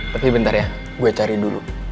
tapi bentar ya gue cari dulu